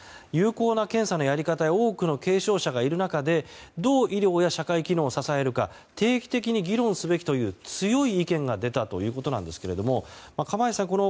有効な検査のやり方や多くの軽症者がいる中でどう医療や社会機能を支えるか定期的に議論すべきという強い意見が出たということなんですけど釜萢さん